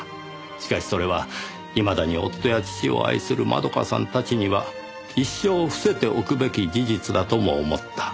しかしそれはいまだに夫や父を愛する窓夏さんたちには一生伏せておくべき事実だとも思った。